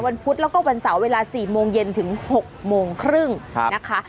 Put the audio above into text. วันพุธแล้วก็วันเสาร์เวลาสี่โมงเย็นถึงหกโมงครึ่งครับนะคะ